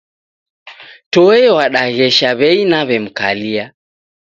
Toe wadaghesha w'ei naw'emkalia